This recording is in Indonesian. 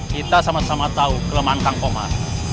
kita sama sama tahu kelemahan kang komar